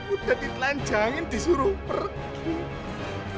udah ditelan jangan disuruh pergi